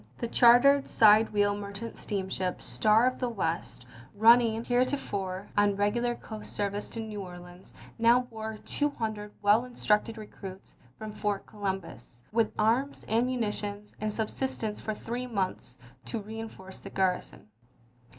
The chartered side wheel mer chant steamship Star of the West, running hereto fore on regular coast service to New Orleans, now bore two hundred well instructed recruits from Fort Columbus, with arms, ammunition, and subsistence for three months, to reenforce the garrison.